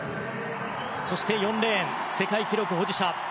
そして４レーン世界記録保持者